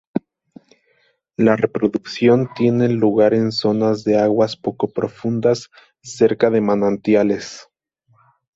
La reproducción tiene lugar en zonas de aguas poco profundas cerca de manantiales.